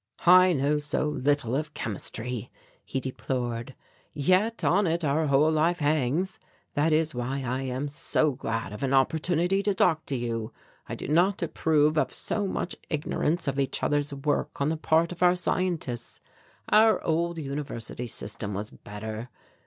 "I know so little of chemistry," he deplored, "yet on it our whole life hangs. That is why I am so glad of an opportunity to talk to you. I do not approve of so much ignorance of each other's work on the part of our scientists. Our old university system was better.